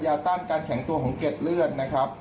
ต้านการแข็งตัวของเก็ดเลือดนะครับ